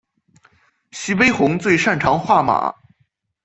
徐悲鸿最擅长画马。